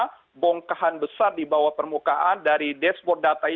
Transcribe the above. karena bongkahan besar di bawah permukaan dari dashboard data ini